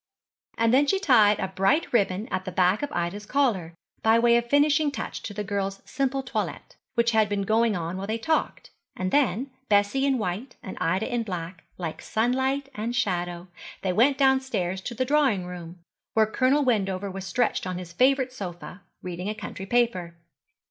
And then she tied a bright ribbon at the back of Ida's collar, by way of finishing touch to the girl's simple toilet, which had been going on while they talked, and then, Bessie in white and Ida in black, like sunlight and shadow, they went downstairs to the drawing room, where Colonel Wendover was stretched on his favourite sofa, reading a county paper.